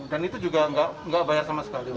dan itu juga nggak bayar sama sekali